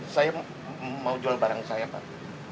saya mau jual barang saya pak